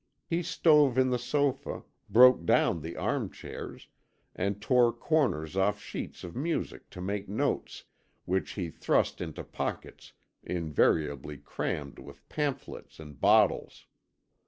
He stove in the sofa, broke down the arm chairs, and tore corners off sheets of music to make notes, which he thrust into pockets invariably crammed with pamphlets and bottles.